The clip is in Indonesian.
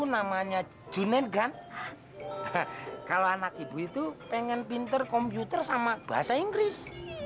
namanya junend gun kalau anak ibu itu pengen pinter komputer sama bahasa inggris